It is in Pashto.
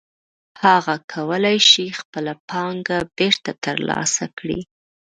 هغه کولی شي خپله پانګه بېرته ترلاسه کړي